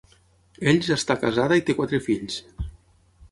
Ells està casada i té quatre fills.